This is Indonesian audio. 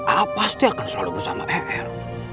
ah ate pasti akan selalu bersama er